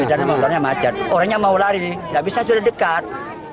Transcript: dan motornya macet orangnya mau lari tapi saya sudah dekat